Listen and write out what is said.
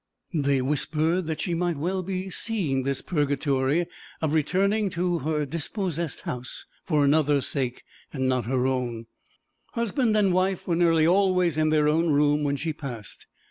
They whispered that she might well be dreeing this purgatory of returning to her dispossessed house for another's sake, not her own. Husband and wife were nearly always in their own room when she passed.